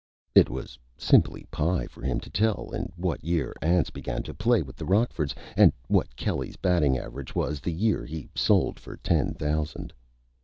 It was simply Pie for him to tell in what year Anse began to play with the Rockfords and what Kelly's Batting Average was the Year he sold for Ten Thousand.